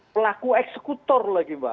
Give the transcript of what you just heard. pelaku eksekutor lagi mbak